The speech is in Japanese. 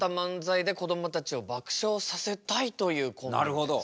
なるほど。